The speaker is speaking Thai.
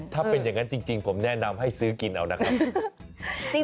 ถ้าเป็นอย่างนั้นจริงผมแนะนำให้ซื้อกินเอานะครับ